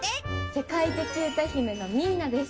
世界的歌姫のミーナです。